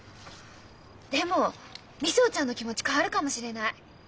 でも瑞穂ちゃんの気持ち変わるかもしれない。